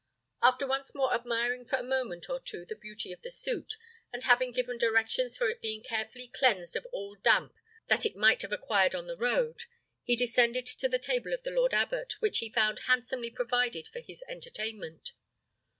After once more admiring for a moment or two the beauty of the suit, and having given directions for its being carefully cleansed of all damp that it might have acquired on the road, he descended to the table of the lord abbot, which he found handsomely provided for his entertainment.